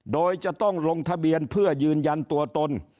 โดยจะต้องลงทะเบียนเพื่อยืนยันตัวตน